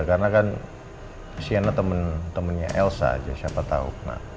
karena kan sienna temen temennya elsa aja siapa tau